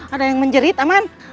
ada yang menjerit aman